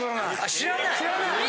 知らない？